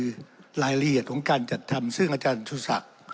คือรายละเอียดของการจัดทำซึ่งอาจารย์สุศักดิ์